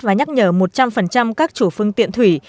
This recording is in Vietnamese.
và nhắc nhở một trăm linh các chủ phương tiện thủy